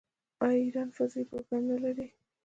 آیا ایران فضايي پروګرام نلري؟